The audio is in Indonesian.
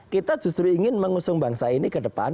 kita justru ingin mengusung bangsa ini ke depan